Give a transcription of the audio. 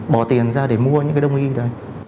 bỏ tiền ra để mua những cái đồng y đấy